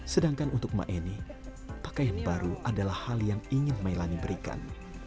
sedangkan untuk ma eni pakaian baru adalah hal yang ingin mailangi berikan